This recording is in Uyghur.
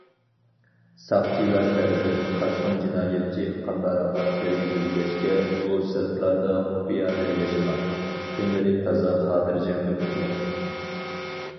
ساقچىلار تەرىپىدىن قاچقۇن جىنايەتچى قاتارىغا كىرگۈزۈلگەچكە، ئۇ سىرتلاردا خۇپىيانە ياشىغان، كۈنلىرى تازا خاتىرجەم ئۆتمىگەن.